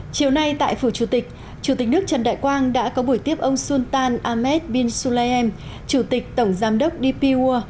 chiều nay tại phủ chủ tịch chủ tịch nước trần đại quang đã có buổi tiếp ông sultan ahmed bin sulliem chủ tịch tổng giám đốc dpua